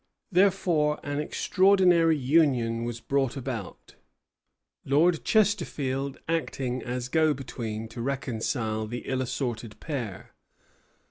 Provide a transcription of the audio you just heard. Therefore an extraordinary union was brought about; Lord Chesterfield acting as go between to reconcile the ill assorted pair.